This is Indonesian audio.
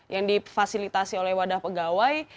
yang difasilitasi oleh wadah pegawai